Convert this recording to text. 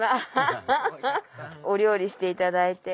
ハハハお料理していただいて。